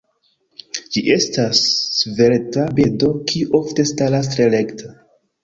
Ĝi estas svelta birdo kiu ofte staras tre rekta.